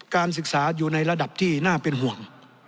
การศึกษาอยู่ในระดับที่น่าเป็นห่วง